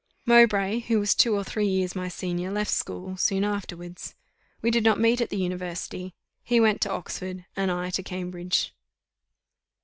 Mowbray, who was two or three years my senior, left school soon afterwards. We did not meet at the university; he went to Oxford, and I to Cambridge.